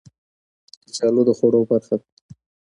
کچالو د خوړو برخه ده